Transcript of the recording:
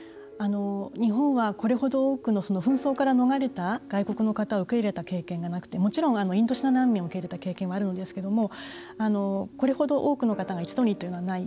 日本はこれほど多くの紛争から逃れた外国の方を受け入れた経験がなくてもちろんインドネシア難民を受け入れた経験はあるんですけれどもこれほど多くの方が一度にというのはない。